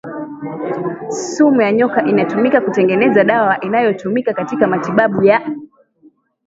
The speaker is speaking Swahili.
sumu ya nyoka inatumika kutengeneza dawa inayotumika katika matibabu ya